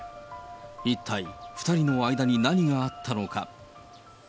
一体、２人の間に何があったのか。